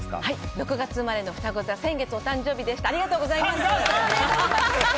６月生まれのふたご座、先月お誕生日でした！